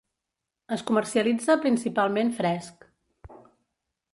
Es comercialitza principalment fresc.